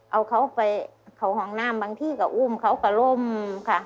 เอาเขาไปเข้าห้องน้ำบางที่ก็อุ้มเขาก็ล่มค่ะ